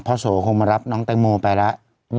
โสคงมารับน้องแตงโมไปแล้ว